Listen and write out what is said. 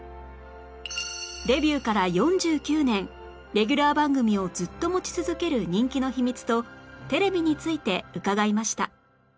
デビューから４９年レギュラー番組をずっと持ち続ける人気の秘密とテレビについて伺いました